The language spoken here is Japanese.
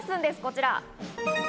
こちら。